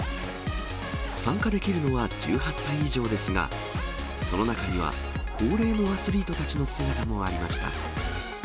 参加できるのは１８歳以上ですが、その中には、高齢のアスリートたちの姿もありました。